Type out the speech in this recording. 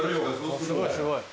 すごいすごい。